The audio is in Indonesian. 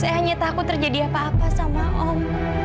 saya hanya takut terjadi apa apa sama om